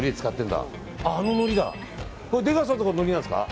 出川さんのところののりなんですか。